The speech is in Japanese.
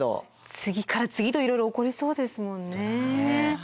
次から次といろいろ起こりそうですもんね。